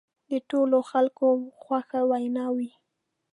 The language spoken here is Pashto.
د ټولو خلکو خوښه وینا وه.